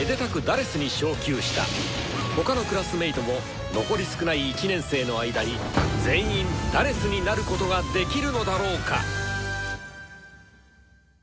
他のクラスメートも残り少ない１年生の間に全員「４」になることができるのだろうか？